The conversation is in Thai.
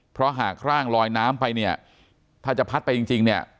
เพราะหากร่างลอยน้ำไปเนี่ยถ้าจะพัดไปจริงเนี่ย